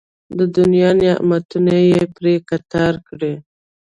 د دنیا نعمتونه یې پرې قطار کړي.